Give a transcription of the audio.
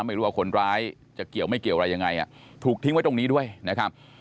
ไม่รู้ว่าคนร้ายจะเกี่ยวไม่เกี่ยวอะไรยังไงถูกทิ้งไว้ตรงนี้ด้วยนะครับ